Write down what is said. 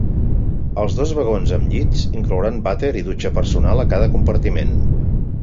Els dos vagons amb llits inclouran vàter i dutxa personal a cada compartiment.